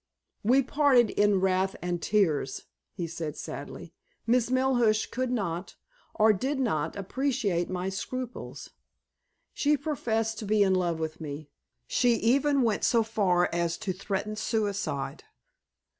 "We parted in wrath and tears," he said sadly. "Miss Melhuish could not, or did not, appreciate my scruples. She professed to be in love with me. She even went so far as to threaten suicide.